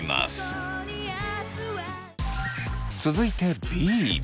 続いてＢ。